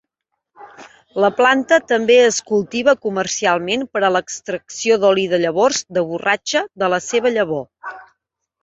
La planta també es cultiva comercialment per a l'extracció doli de llavors de borratja de la seva llavor.